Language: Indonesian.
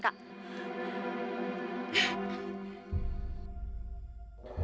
kamu kenapa orada felsik ka